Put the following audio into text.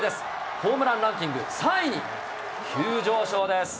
ホームランランキング３位に急上昇です。